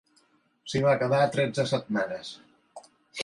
S'hi va quedar tretze setmanes.